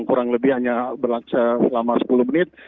kurang lebih hanya berlaku selama sepuluh menit